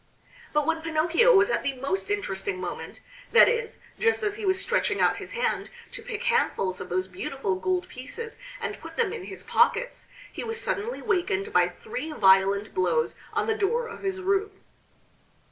But when Pinocchio was at the most interesting moment, that is, just as he was stretching out his hand to pick handfuls of those beautiful gold pieces and put them in his pockets, he was suddenly wakened by three violent blows on the door of his room.